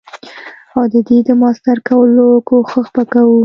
او ددی د ماستر کولو کوښښ به کوو.